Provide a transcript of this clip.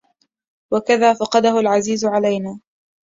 وكذا فقدُه العزيزُ علينا